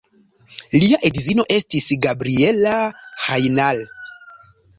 Lia edzino estis Gabriella Hajnal.